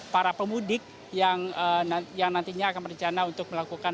para pemudik yang nantinya akan berencana untuk melakukan